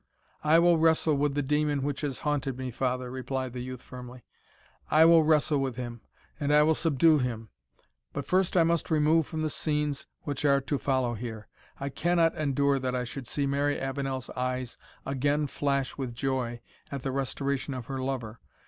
"I will wrestle with the demon which has haunted me, father," replied the youth, firmly "I will wrestle with him, and I will subdue him. But first I must remove from the scenes which are to follow here. I cannot endure that I should see Mary Avenel's eyes again flash with joy at the restoration of her lover.